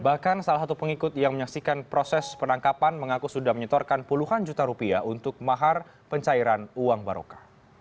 bahkan salah satu pengikut yang menyaksikan proses penangkapan mengaku sudah menyetorkan puluhan juta rupiah untuk mahar pencairan uang baroka